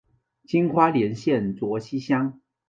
今花莲县卓溪乡。